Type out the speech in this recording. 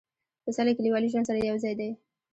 پسه له کلیوالي ژوند سره یو ځای دی.